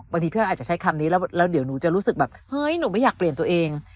พี่อ้อยอาจจะใช้คำนี้แล้วเดี๋ยวหนูจะรู้สึกแบบเฮ้ยหนูไม่อยากเปลี่ยนตัวเอง